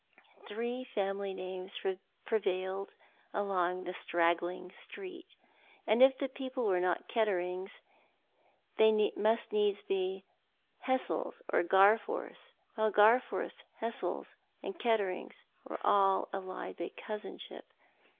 Three family names prevailed along the straggling street, and if people were not Ketterings, they must needs be Hassles or Garforths— while Garforths, Hessles, and Ketterings were all allied by cousinship.